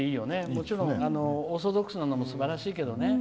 もちろんオーソドックスなのもすばらしいけどね。